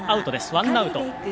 ワンアウト。